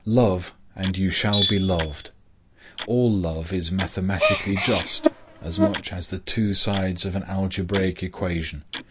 Love, and you shall be loved. All love is mathematically just, as much as the two sides of an algebraic equation.